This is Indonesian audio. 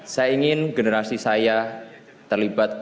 saya ingin generasi saya terlibat